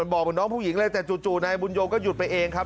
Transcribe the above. บอกเหมือนน้องผู้หญิงเลยแต่จู่นายบุญโยงก็หยุดไปเองครับ